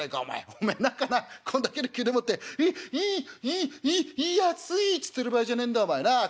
お前なんかなこんだけの灸でもって『いいい熱い』っつってる場合じゃねえんだよお前なあ？